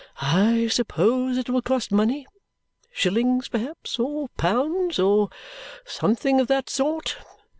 I suppose it will cost money? Shillings perhaps? Or pounds? Or something of that sort?